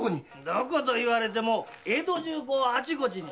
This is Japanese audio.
どこと言われても江戸中あちこちに。